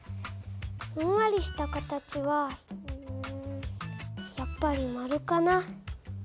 ふんわりした形はうんやっぱり丸かな。